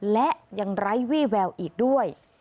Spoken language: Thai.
และยังไร้วี่แววอีกด้วย